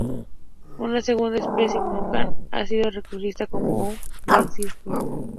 Una segunda especie "O. mucronat"a, ha sido reclasificada como O. grandiflora.